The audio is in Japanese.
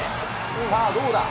さあ、どうだ？